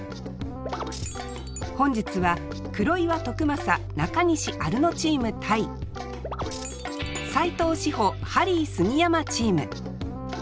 本日は黒岩徳将中西アルノチーム対斉藤志歩ハリー杉山チーム。